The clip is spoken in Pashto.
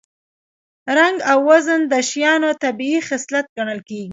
رنګ او وزن د شیانو طبیعي خصلت ګڼل کېږي